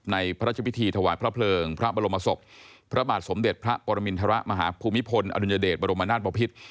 พระราชพิธีถวายพระเพลิงพระบรมศพพระบาทสมเด็จพระปรมินทรมาฮภูมิพลอดุญเดชบรมนาศปภิษ